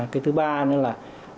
cái thứ ba nữa là